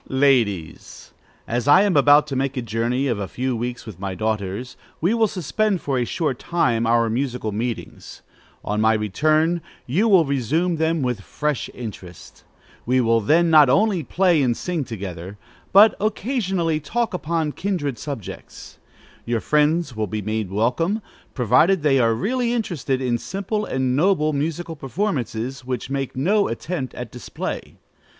_ Ladies, As I am about to make a journey of a few weeks with my daughters, we will suspend for a short time our musical meetings. On my return, you will resume them with fresh interest. We will then not only play and sing together, but occasionally talk upon kindred subjects. Your friends will be made welcome, provided they are really interested in simple and noble musical performances, which make no attempt at display.